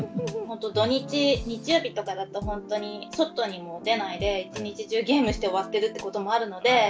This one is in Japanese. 本当に土日日曜日とかだと本当に外にも出ないで一日中ゲームして終わってるってこともあるので。